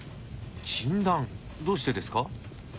どうしてですか？